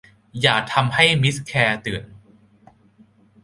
อย่าทำให้มิสแคลร์ตื่น